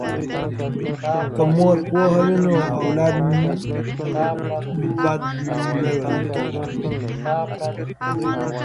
که مور پوهه وي نو اولاد نه بد روزل کیږي.